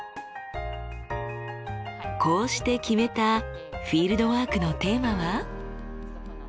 こうして決めたフィールドワークのテーマは？